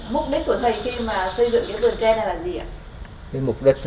mục đích của thầy khi mà xây dựng cái vườn tre này là gì ạ